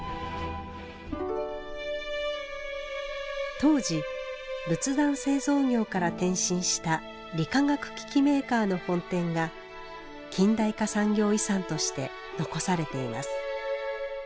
当時仏壇製造業から転身した理化学機器メーカーの本店が近代化産業遺産として残されています。